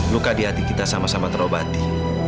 luka di hati kita sama sama terobati